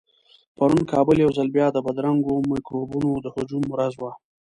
پرون کابل يو ځل بيا د بدرنګو مکروبونو د هجوم ورځ وه.